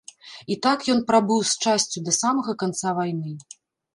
І так ён прабыў з часцю да самага канца вайны.